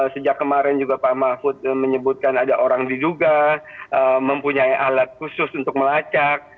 sejak kemarin juga pak mahfud menyebutkan ada orang diduga mempunyai alat khusus untuk melacak